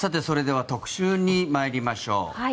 それでは特集に参りましょう。